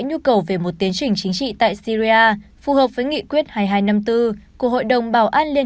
nhu cầu về một tiến trình chính trị tại syria phù hợp với nghị quyết hai nghìn hai trăm năm mươi bốn của hội đồng bảo an liên